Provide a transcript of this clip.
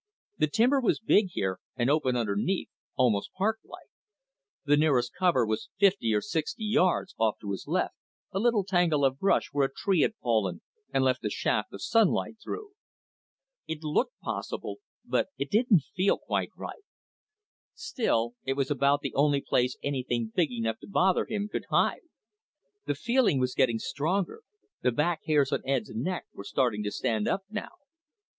The timber was big here, and open underneath, almost parklike. The nearest cover was fifty or sixty yards off to his left, a little tangle of brush where a tree had fallen and let a shaft of sunlight through. It looked possible, but it didn't feel quite right. Still, it was about the only place anything big enough to bother him could hide. The feeling was getting stronger, the back hairs on Ed's neck were starting to stand up now.